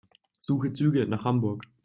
Suche Züge nach Hamburg.